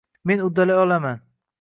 Men uddalay olaman